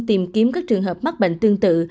tìm kiếm các trường hợp mắc bệnh tương tự